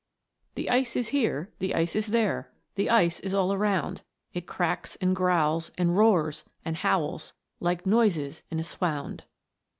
The ice is here, the ice is there, The ice is all around ; It cracks and growls, and roars and howls, Like noises in a swound."